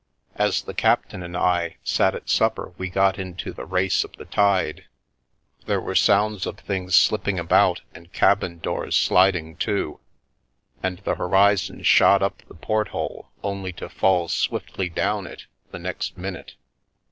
As the captain and I sat at supper we got into the race of the tide; there were sounds of things slipping about and cabin doors sliding to, and the hori zon shot up the porthole only to fall swiftly down it the next minute.